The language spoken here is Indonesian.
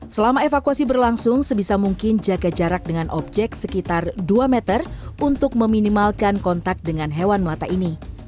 selama evakuasi berlangsung sebisa mungkin jaga jarak dengan objek sekitar dua meter untuk meminimalkan kontak dengan hewan melata ini